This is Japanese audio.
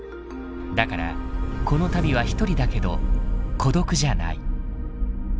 だからこの旅は一人だけど孤独じゃない。